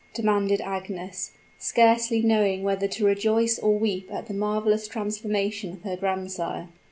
'" demanded Agnes, scarcely knowing whether to rejoice or weep at the marvelous transformation of her grandsire.